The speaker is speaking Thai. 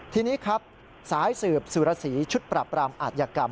ทีนี้ครับสายสืบสุรสีชุดปรับรามอาธิกรรม